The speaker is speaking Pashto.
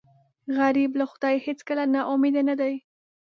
غریب له خدایه هېڅکله نا امیده نه دی